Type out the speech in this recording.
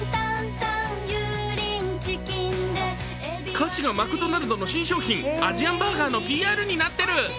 歌詞がマクドナルドの新商品、アジアンバーガーのＰＲになってる！